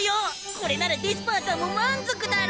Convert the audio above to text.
これならデスパーさんも満足だろ。